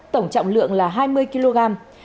tổng trọng lượng là hai mươi kg